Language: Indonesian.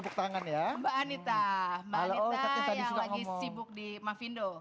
mbak anita yang lagi sibuk di mafindo